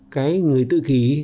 cái người tự khí